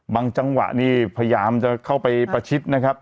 จังหวะนี่พยายามจะเข้าไปประชิดนะครับ